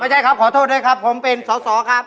ไม่ใช่ครับขอโทษเลยครับผมเป็นโสสอบครับ